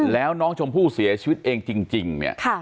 แล้วน้องชมพู่เสียชีวิตเองจริงเนี่ย